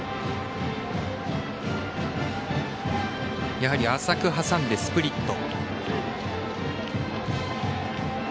やはり、浅く挟んでスプリット。